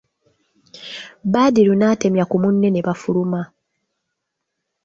Badru n'atemya ku munne ne bafuluma.